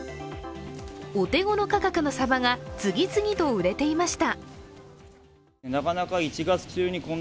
お手頃価格のさばが次々と売れていました。